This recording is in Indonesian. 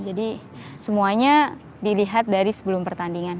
jadi semuanya dilihat dari sebelum pertandingan